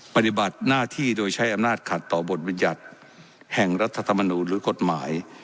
ปฏิบัติหน้าที่โดยใช้อำนาจขัดต่อบทบรรยัติแห่งรัฐธรรมนูลหรือกฎหมาย